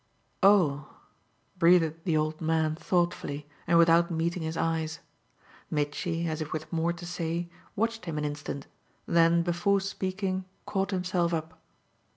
"Oh!" breathed the old man thoughtfully and without meeting his eyes. Mitchy, as if with more to say, watched him an instant, then before speaking caught himself up.